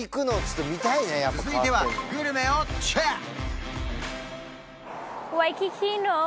続いてはグルメをチェック！